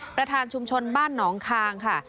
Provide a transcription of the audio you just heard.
ประธานชุมชนบ้านหนองคางค่ะ